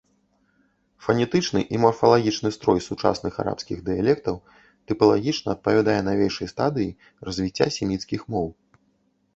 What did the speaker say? Фанетычны і марфалагічны строй сучасных арабскіх дыялектаў тыпалагічна адпавядае навейшай стадыі развіцця семіцкіх моў.